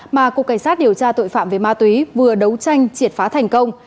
mà cục cảnh sát điều tra tội phạm về ma túy vừa đấu tranh triệt phá thành công